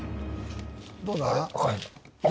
どうだ？